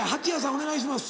お願いします。